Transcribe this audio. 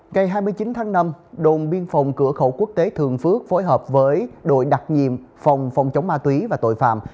ngày hai mươi chín tháng năm đồn biên phòng cửa khẩu quốc tế thường phước phối hợp với đội đặc nhiệm phòng phòng chống ma túy và tội phạm